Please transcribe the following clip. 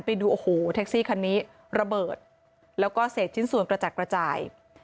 ไปดูโอ้โหแท็กซี่คันนี้ระเบิดแล้วก็เศษชิ้นส่วนกระจัดกระจาย